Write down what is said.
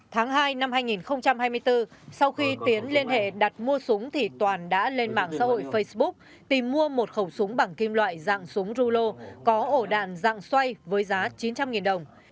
tháng hai năm hai nghìn hai mươi bốn sau khi tiến liên hệ đặt mua súng thì toàn đã lên mạng xã hội facebook tìm mua một khẩu súng bằng kim loại dạng súng rulo có ổ đạn dạng xoay với giá chín trăm linh đồng